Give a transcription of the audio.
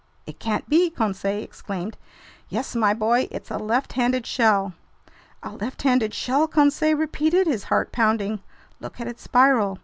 "It can't be!" Conseil exclaimed. "Yes, my boy, it's a left handed shell!" "A left handed shell!" Conseil repeated, his heart pounding. "Look at its spiral!"